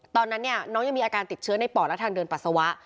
ตอนนั้นเนี่ยน้องยังมีอาการติดเชื้อในปอดและทางเดินปัสสาวะ